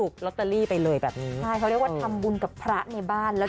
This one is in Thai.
โปรดติดตามตอนต่อไป